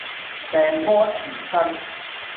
病魔纏身